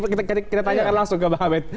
kita tanyakan langsung ke bang abed